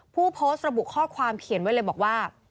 ผู้โพสต์ระบุข้อความเขียนไว้เลยบอกว่า